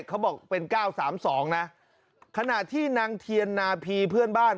เขาบอกเป็น๙๓๒นะขณะที่นางเทียนนาพีเพื่อนบ้าน